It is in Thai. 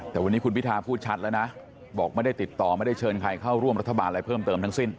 แต่วันนี้คุณพิทาพูดชัดแล้วนะบอกไม่ได้ติดต่อไม่ได้เชิญใครเข้าร่วมรัฐบาลอะไรเพิ่มเติมทั้งสิ้น